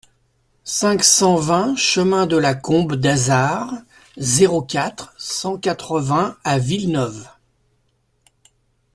cinq cent vingt chemin de la Combe d'Azard, zéro quatre, cent quatre-vingts à Villeneuve